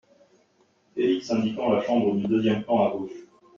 Félix , indiquant la chambre du deuxième plan à gauche.